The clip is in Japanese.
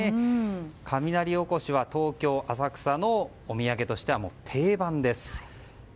雷おこしは、東京・浅草のお土産としてはもう、定番です。